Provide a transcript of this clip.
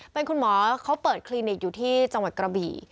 เป็นคุณหมอเขาเปิดคลินิกอยู่ที่จังหวัดกระบี่